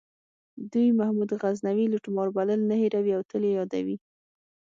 دوی محمود غزنوي لوټمار بلل نه هیروي او تل یې یادوي.